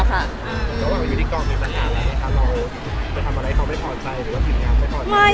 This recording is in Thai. อยู่ที่กลางสถานาแล้วทำอะไรเขาผิดไมถึง